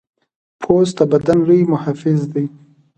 پوست د بدن لوی محافظ دی.